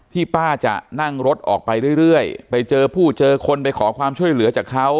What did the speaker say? ป้าจะนั่งรถออกไปเรื่อยไปเจอผู้เจอคนไปขอความช่วยเหลือจากเขา